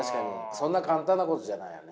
そんな簡単なことじゃないよね。